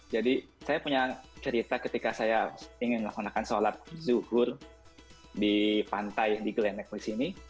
jadi saya punya cerita ketika saya ingin melakukan sholat zuhur di pantai di glen neck di sini